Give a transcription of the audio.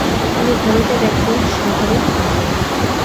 তিনি ভারতের একজন স্বাভাবিক নাগরিক।